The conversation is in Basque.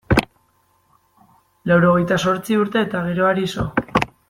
Laurogehita zortzi urte eta geroari so.